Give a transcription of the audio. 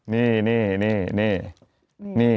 นี่